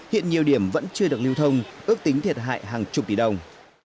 hiện nhiều điểm vẫn chưa được lưu thông ước tính thiệt hại hàng chục tỷ đồng